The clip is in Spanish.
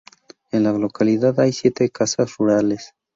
En la localidad hay siete casas rurales.